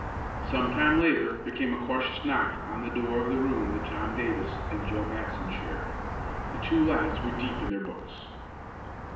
Some time later there came a cautious knock on the door of the room that Tom Davis and Joe Matson shared. The two lads were deep in their books.